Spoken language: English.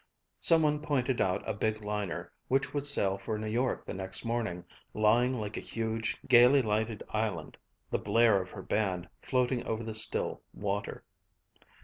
Some one pointed out a big liner which would sail for New York the next morning, lying like a huge, gaily lighted island, the blare of her band floating over the still water.